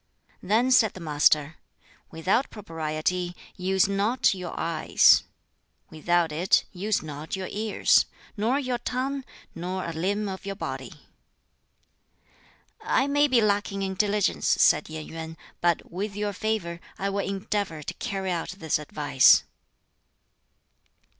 Then said the Master, "Without Propriety use not your eyes; without it use not your ears, nor your tongue, nor a limb of your body." "I may be lacking in diligence," said Yen Yuen, "but with your favor I will endeavor to carry out this advice."